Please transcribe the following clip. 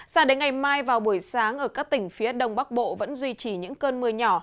sao đến ngày mai vào buổi sáng ở các tỉnh phía đông bắc bộ vẫn duy trì những cơn mưa nhỏ